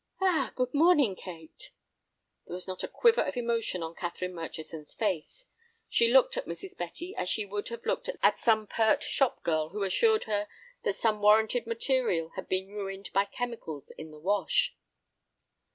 "Ah, good morning, Kate." There was not a quiver of emotion on Catherine Murchison's face. She looked at Mrs. Betty as she would have looked at some pert shop girl who assured her that some warranted material had been ruined by chemicals in the wash.